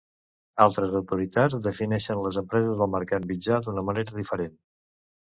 Altres autoritats defineixen les empreses del mercat mitjà d'una manera diferent.